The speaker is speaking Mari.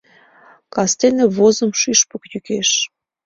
Кастене возым шӱшпык йӱкеш